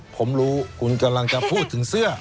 ผมรู้คุณกำลังจะพูดถึงเสื้อ